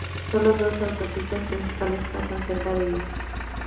Solo dos autopistas principales pasan cerca de ella.